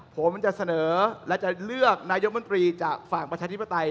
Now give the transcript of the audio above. ผมจะเสนอและจะเลือกนายกมนตรีจากฝั่งประชาธิปไตย